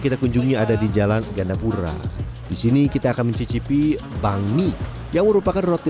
kita kunjungi ada di jalan gandapura disini kita akan mencicipi bang mi yang merupakan roti